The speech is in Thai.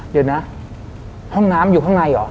เดี๋ยวนะห้องน้ำอยู่ข้างในเหรอ